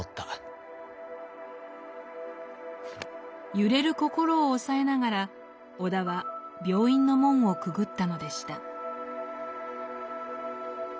揺れる心を抑えながら尾田は病院の門をくぐったのでした。